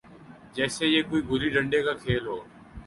جیسے یہ کوئی گلی ڈنڈے کا کھیل ہو۔